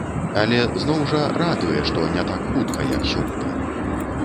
Але зноў жа, радуе, што не так хутка, як сёлета.